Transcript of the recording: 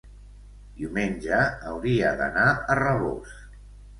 diumenge hauria d'anar a Rabós.